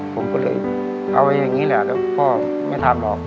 ผมก็เลยเอาไว้อย่างนี้แหละแล้วก็ไม่ทำหรอก